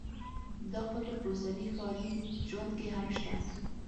دا فکر په اوسني ښاري ژوند کې هم شته